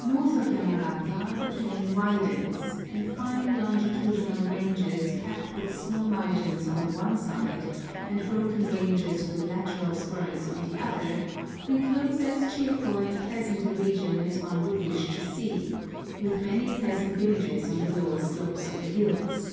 North of Yamagata the plain widens, and fine longitudinal ranges capped with snow mountains on the one side, and broken ranges with lateral spurs on the other, enclose as cheerful and pleasant a region as one would wish to see, with many pleasant villages on the lower slopes of the hills.